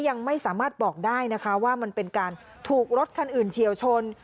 ยังไม่สามารถบอกได้นะคะว่ามันเป็นการถูกรถคันอื่นเฉียวชน